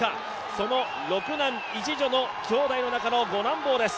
その六男一女の兄弟の中の五男坊です。